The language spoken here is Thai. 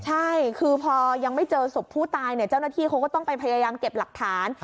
ใช่คือพอยังไม่เจอศพผู้ตายเนี่ยเจ้าหน้าที่เขาก็ต้องไปพยายามเก็บหลักฐาน